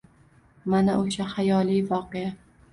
Mana o‘sha xayoliy voqea.